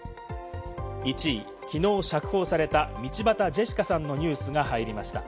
１位、昨日釈放された道端ジェシカさんのニュースが入りました。